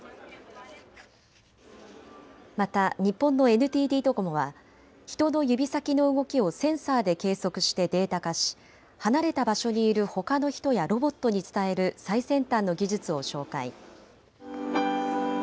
また日本のＮＴＴドコモは人の指先の動きをセンサーで計測してデータ化し離れた場所にいるほかの人やロボットに伝える最先端の技術を紹介。